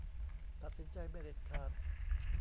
ตัดสินใจไม่เด็ดขาด